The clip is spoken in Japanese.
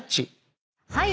はい。